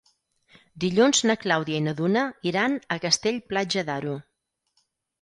Dilluns na Clàudia i na Duna iran a Castell-Platja d'Aro.